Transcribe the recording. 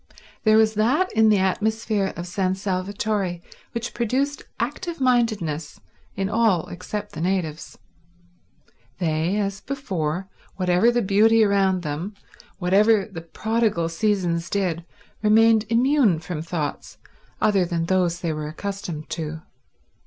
There was that in the atmosphere of San Salvatore which produced active mindedness in all except the natives. They, as before, whatever the beauty around them, whatever the prodigal seasons did, remained immune from thoughts other than those they were accustomed to.